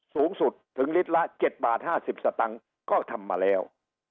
สูงสุดถึงลิตรละ๗๕๐บาทก็ทำมาแล้ว